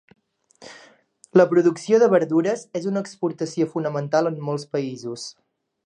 La producció de verdures és una exportació fonamental en molts països.